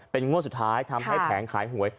งวดสุดท้ายทำให้แผงขายหวย